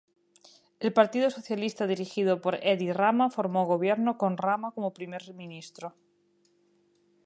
El Partido Socialista dirigido por Edi Rama formó gobierno con Rama como Primer Ministro.